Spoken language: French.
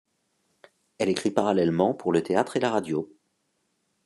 Elle écrit parallèlement pour le théâtre et la radio.